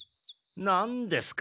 なんですか？